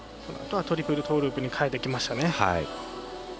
あとはトリプルトーループに変えてきましたね。